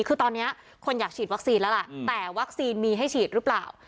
คือตอนนี้คนอยากฉีดวัคซีนแล้วล่ะแต่วัคซีนมีให้ฉีดหรือเปล่า